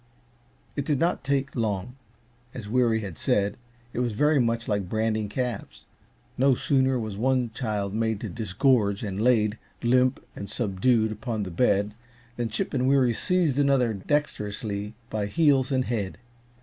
It did not take long as Weary had said, it was very much like branding calves. No sooner was one child made to disgorge and laid, limp and subdued, upon the bed, than Chip and Weary seized another dexterously by heels and head.